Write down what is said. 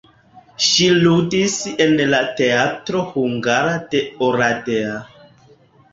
Ŝi ludis en la teatro hungara de Oradea.